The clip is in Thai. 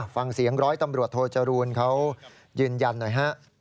ฟังเสียงร้อยตำรวจโทจรูลเขายืนยันหน่อยฮะ